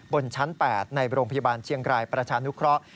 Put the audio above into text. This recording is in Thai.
บนชั้น๘ในโรงพยาบาลเชียงรายประชานุเคราะห์